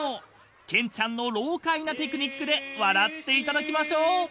［けんちゃんの老獪なテクニックで笑っていただきましょう］